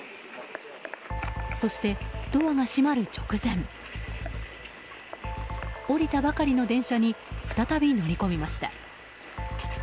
そしてドアが閉まる直前降りたばかりの電車に再び乗り込みました。